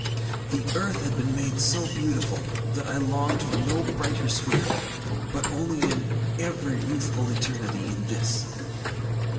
The earth had been made so beautiful, that I longed for no brighter sphere, but only an ever youthful eternity in this.